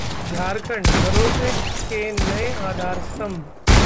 झारखंड: भरोसे के नए आधार स्तंभ